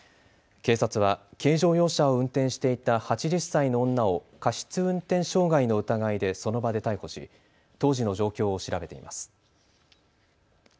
警察は軽乗用車を運転していた８０歳の女を過失運転傷害の疑いでその場で逮捕し当時の状況を調べています。